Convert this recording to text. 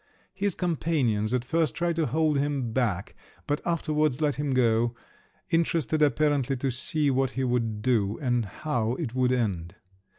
His companions at first tried to hold him back, but afterwards let him go, interested apparently to see what he would do, and how it would end.